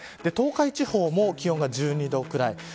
東海地方も気温が１２度ぐらい。